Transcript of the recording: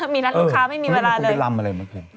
มีนัดลูกค้าไม่มีเวลาเลยไม่รำอะไรเหมือนกัน